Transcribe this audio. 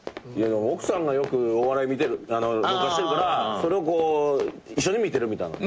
奥さんがよくお笑い録画してるからそれをこう一緒に見てるみたいな。